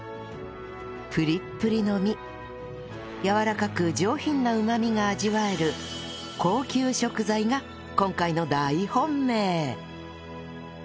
プリップリの身やわらかく上品なうまみが味わえる高級食材が今回の大本命